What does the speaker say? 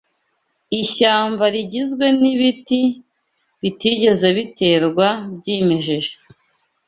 Ishyamba rigizwe n’ibiti bitigeze biterwa byimejeje